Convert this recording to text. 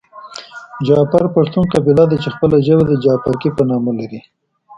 جعفر پښتون قبیله ده چې خپله ژبه د جعفرکي په نامه لري .